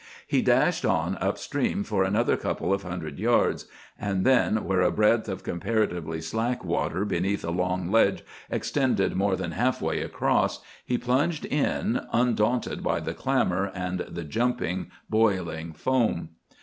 He dashed on up stream for another couple of hundred yards, and then, where a breadth of comparatively slack water beneath a long ledge extended more than half way across, he plunged in, undaunted by the clamour and the jumping, boiling foam.